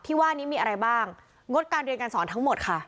ว่านี้มีอะไรบ้างงดการเรียนการสอนทั้งหมดค่ะ